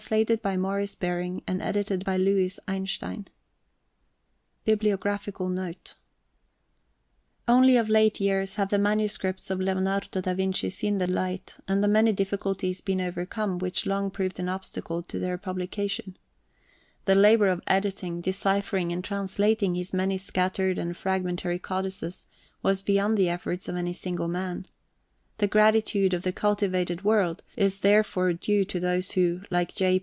BIBLIOGRAPHICAL NOTE AND TABLE OF REFERENCES BIBLIOGRAPHICAL NOTE Only of late years have the manuscripts of Leonardo da Vinci seen the light and the many difficulties been overcome which long proved an obstacle to their publication. The labour of editing, deciphering and translating his many scattered and fragmentary codices was beyond the efforts of any single man. The gratitude of the cultivated world is therefore due to those who, like J.